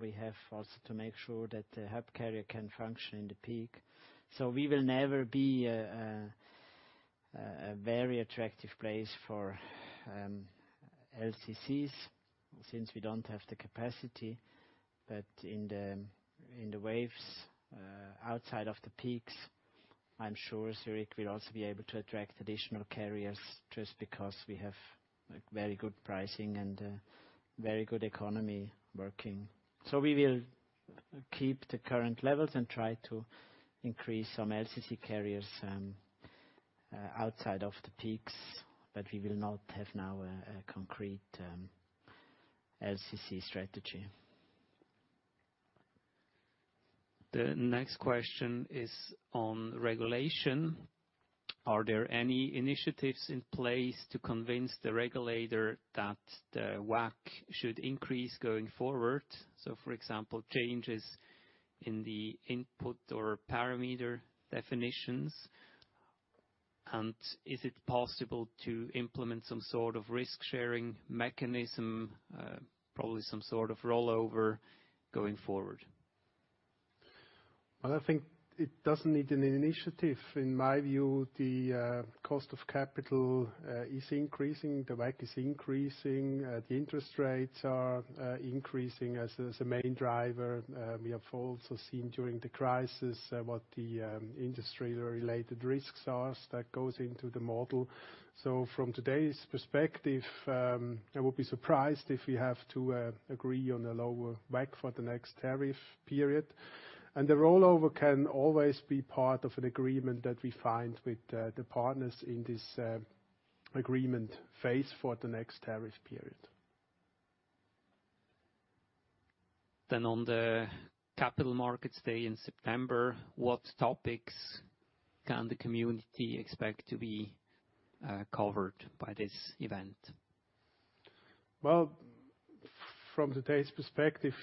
we have also to make sure that the hub carrier can function in the peak. We will never be a very attractive place for LCCs since we don't have the capacity. In the waves outside of the peaks, I'm sure Zurich will also be able to attract additional carriers just because we have very good pricing and very good economy working. We will keep the current levels and try to increase some LCC carriers, outside of the peaks, but we will not have now a concrete LCC strategy. The next question is on regulation. Are there any initiatives in place to convince the regulator that the WACC should increase going forward? For example, changes in the input or parameter definitions. Is it possible to implement some sort of risk-sharing mechanism, probably some sort of rollover going forward? Well, I think it doesn't need an initiative. In my view, the cost of capital is increasing, the WACC is increasing, the interest rates are increasing as a main driver. We have also seen during the crisis, what the industry-related risks are that goes into the model. From today's perspective, I would be surprised if we have to agree on a lower WACC for the next tariff period. The rollover can always be part of an agreement that we find with the partners in this agreement phase for the next tariff period. On the capital markets day in September, what topics can the community expect to be covered by this event? Well, from today's perspective,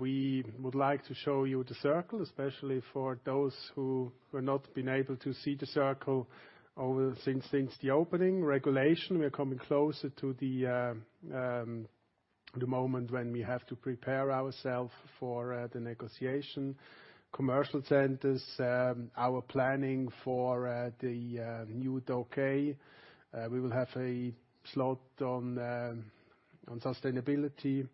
we would like to show you The Circle, especially for those who have not been able to see The Circle since the opening. Regulation, we are coming closer to the moment when we have to prepare ourself for the negotiation. Commercial centers, our planning for the new Dock A. We will have a slot on sustainability.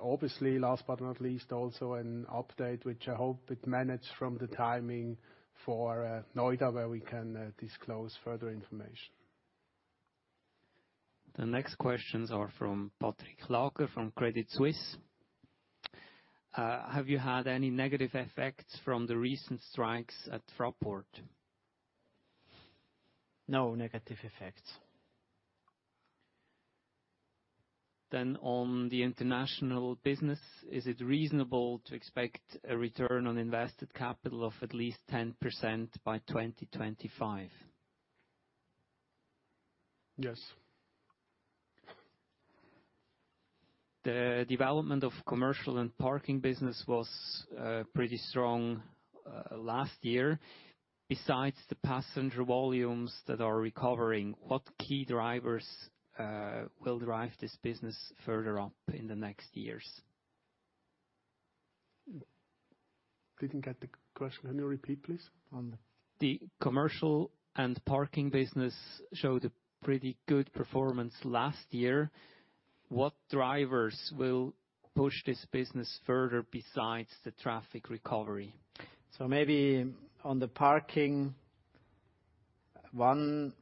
Obviously, last but not least, also an update, which I hope it manage from the timing for Noida, where we can disclose further information. The next questions are from Patrick Kluge from Credit Suisse. Have you had any negative effects from the recent strikes at Fraport? No negative effects. On the international business, is it reasonable to expect a return on invested capital of at least 10% by 2025? Yes. The development of commercial and parking business was pretty strong last year. Besides the passenger volumes that are recovering, what key drivers will drive this business further up in the next years? Didn't get the question. Can you repeat, please? The commercial and parking business showed a pretty good performance last year. What drivers will push this business further besides the traffic recovery? Maybe on the parking, one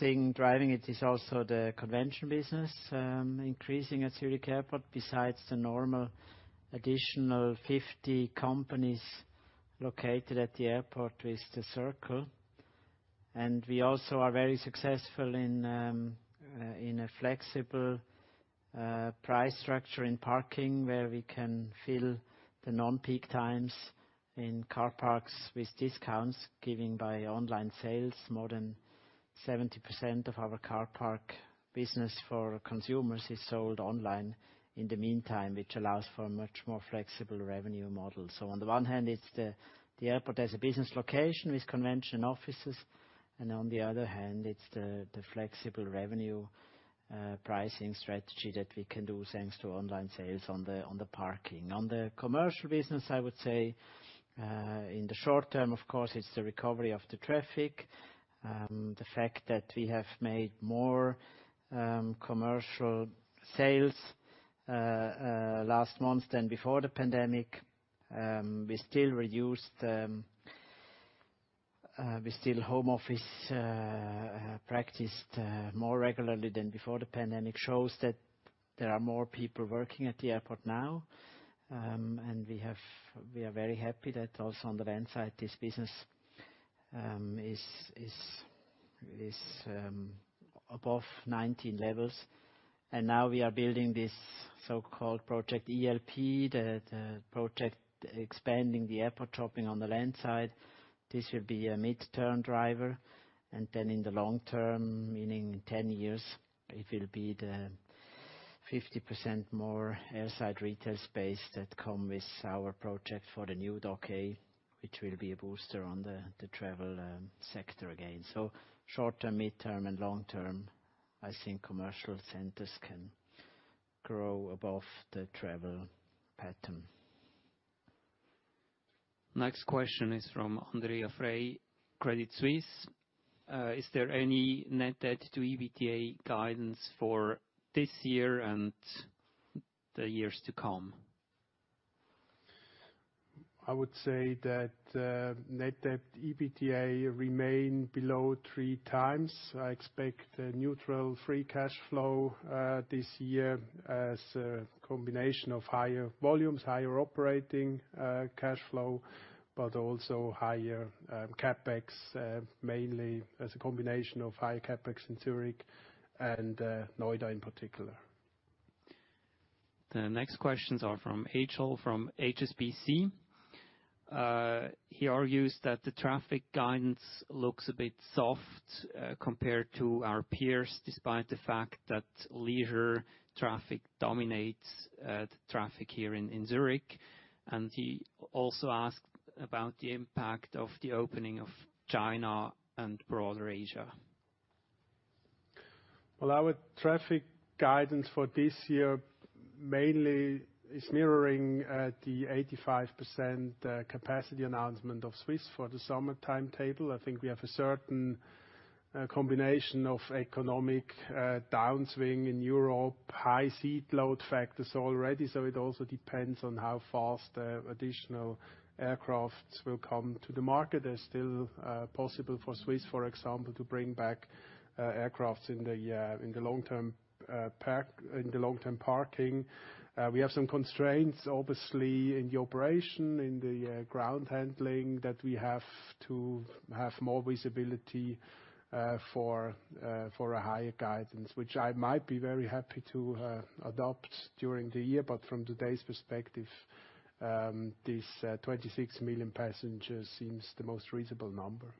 thing driving it is also the convention business, increasing at Zurich Airport, besides the normal additional 50 companies located at the airport with The Circle. We also are very successful in a flexible price structure in parking, where we can fill the non-peak times in car parks with discounts given by online sales. More than 70% of our car park business for consumers is sold online in the meantime, which allows for a much more flexible revenue model. On the one hand, it's the airport as a business location with convention offices, and on the other hand, it's the flexible revenue pricing strategy that we can do, thanks to online sales on the, on the parking. On the commercial business, I would say, in the short term, of course, it's the recovery of the traffic. The fact that we have made more commercial sales last month than before the pandemic, we still reduced, we still home office practiced more regularly than before the pandemic, shows that there are more people working at the airport now. We are very happy that also on the land side, this business is above 19 levels. Now we are building this so-called project ELP, the project expanding the airport shopping on the land side. This will be a midterm driver. Then in the long term, meaning 10 years, it will be the 50% more airside retail space that come with our project for the new Dock A, which will be a booster on the travel sector again. Short-term, mid-term, and long-term, I think commercial centers can grow above the travel pattern. Next question is from Andrea Frey, Credit Suisse. Is there any net debt to EBITDA guidance for this year and the years to come? I would say that net debt EBITDA remain below three times. I expect a neutral free cash flow this year as a combination of higher volumes, higher operating cash flow, but also higher CapEx, mainly as a combination of high CapEx in Zurich and Noida in particular. The next questions are from Angel from HSBC. He argues that the traffic guidance looks a bit soft compared to our peers despite the fact that leisure traffic dominates, the traffic here in Zurich, and he also asked about the impact of the opening of China and broader Asia. Our traffic guidance for this year mainly is mirroring the 85% capacity announcement of Swiss for the summertime table. I think we have a certain combination of economic downswing in Europe, high seat load factors already, so it also depends on how fast additional aircrafts will come to the market. It's still possible for Swiss, for example, to bring back aircrafts in the in the long-term park, in the long-term parking. We have some constraints, obviously, in the operation, in the ground handling that we have to have more visibility for for a higher guidance, which I might be very happy to adopt during the year. From today's perspective, this 26 million passengers seems the most reasonable number.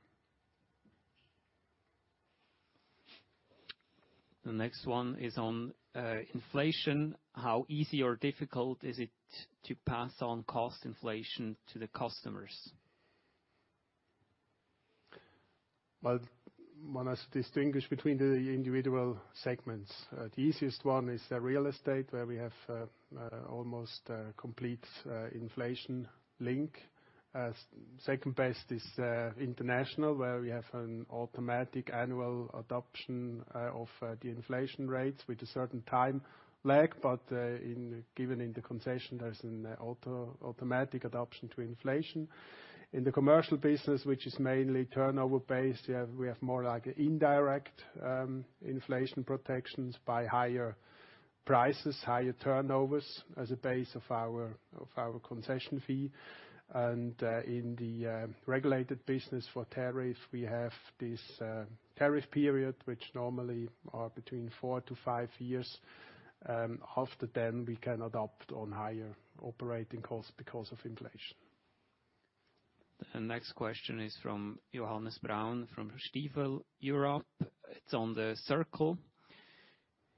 The next one is on, inflation. How easy or difficult is it to pass on cost inflation to the customers? One has to distinguish between the individual segments. The easiest one is the real estate, where we have almost a complete inflation link. Second best is international, where we have an automatic annual adoption of the inflation rates with a certain time lag. Given in the concession, there's an automatic adoption to inflation. In the commercial business, which is mainly turnover-based, we have more like indirect inflation protections by higher prices, higher turnovers as a base of our concession fee. In the regulated business for tariff, we have this tariff period, which normally are between four to five years. After then, we can adopt on higher operating costs because of inflation. The next question is from Johannes Braun from Stifel Europe. It's on The Circle.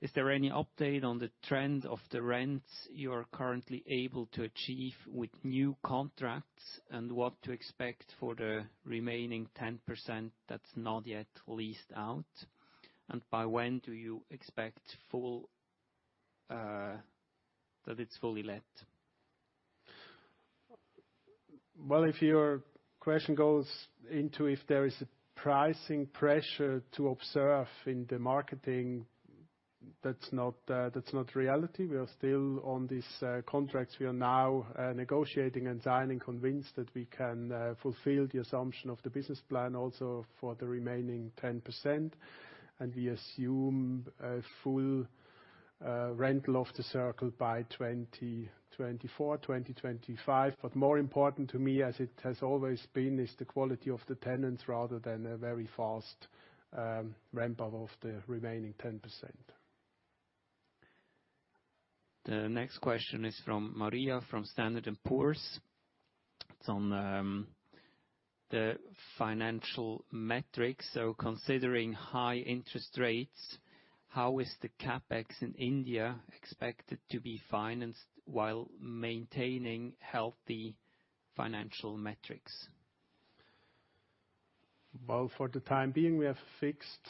Is there any update on the trend of the rents you are currently able to achieve with new contracts, and what to expect for the remaining 10% that's not yet leased out? By when do you expect full, that it's fully let? If your question goes into if there is a pricing pressure to observe in the marketing, that's not, that's not reality. We are still on these contracts. We are now negotiating and signing, convinced that we can fulfill the assumption of the business plan also for the remaining 10%. We assume a full rental of The Circle by 2024, 2025. More important to me, as it has always been, is the quality of the tenants rather than a very fast ramp-up of the remaining 10%. The next question is from Maria, from Standard & Poor's. It's on the financial metrics. Considering high interest rates, how is the CapEx in India expected to be financed while maintaining healthy financial metrics? Well, for the time being, we have a fixed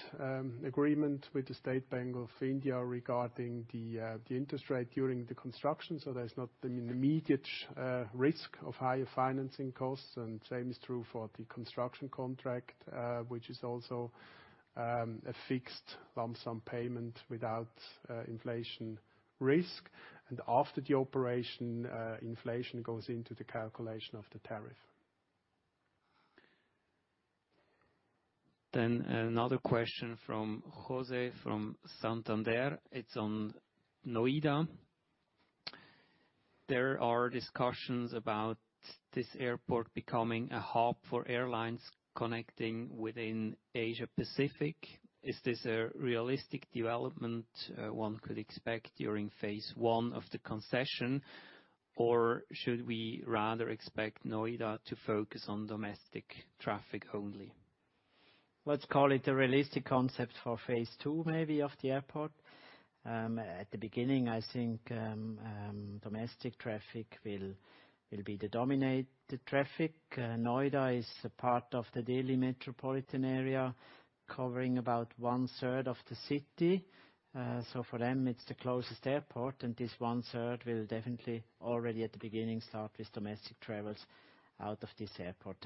agreement with the State Bank of India regarding the interest rate during the construction, so there's not an immediate risk of higher financing costs. Same is true for the construction contract, which is also a fixed lump sum payment without inflation risk. After the operation, inflation goes into the calculation of the tariff. Another question from José from Santander. It's on Noida. There are discussions about this airport becoming a hub for airlines connecting within Asia-Pacific. Is this a realistic development, one could expect during phase one of the concession, or should we rather expect Noida to focus on domestic traffic only? Let's call it a realistic concept for phase two, maybe, of the airport. At the beginning, I think, domestic traffic will be the dominated traffic. Noida is a part of the Delhi Metropolitan area, covering about one-third of the city. For them, it's the closest airport, and this one-third will definitely already at the beginning start with domestic travels out of this airport.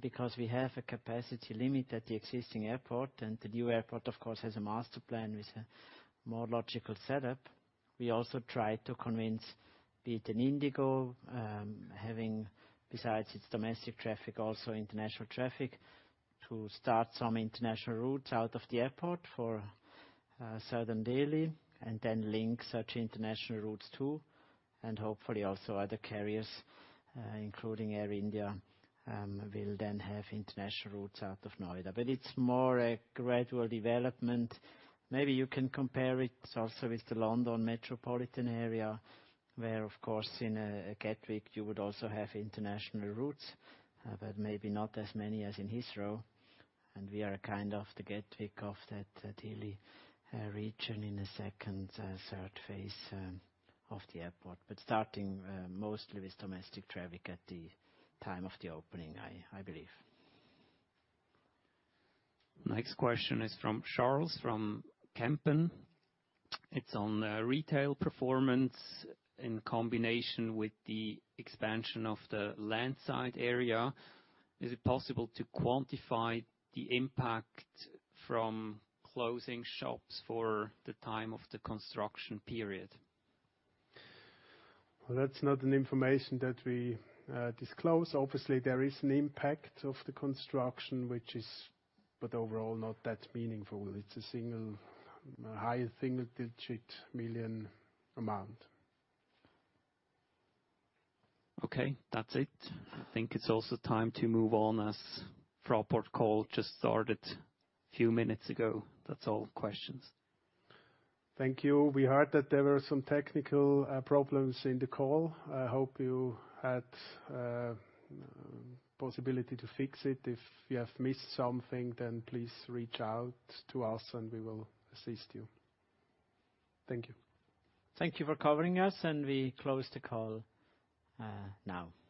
Because we have a capacity limit at the existing airport, and the new airport, of course, has a master plan with a more logical setup, we also try to convince be it an IndiGo, having besides its domestic traffic, also international traffic, to start some international routes out of the airport for Southern Delhi and then link such international routes too. Hopefully also other carriers, including Air India, will then have international routes out of Noida. It's more a gradual development. Maybe you can compare it also with the London metropolitan area, where, of course, in Gatwick, you would also have international routes, but maybe not as many as in Heathrow. We are a kind of the Gatwick of that Delhi region in a second, third phase of the airport. Starting mostly with domestic traffic at the time of the opening, I believe. Next question is from Charles, from Kempen. It's on retail performance in combination with the expansion of the landside area. Is it possible to quantify the impact from closing shops for the time of the construction period? That's not an information that we disclose. Obviously, there is an impact of the construction, which is overall, not that meaningful. It's a high single-digit million CHF amount. Okay. That's it. I think it's also time to move on as Fraport call just started few minutes ago. That's all the questions. Thank you. We heard that there were some technical problems in the call. I hope you had possibility to fix it. If you have missed something, please reach out to us, and we will assist you. Thank you. Thank you for covering us. We close the call now. Thank you.